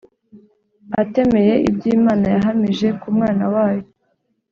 atemeye ibyo Imana yahamije ku Mwana wayo.